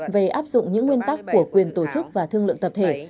về áp dụng những nguyên tắc của quyền tổ chức và thương lượng tập thể